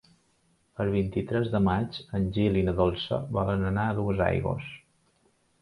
El vint-i-tres de maig en Gil i na Dolça volen anar a Duesaigües.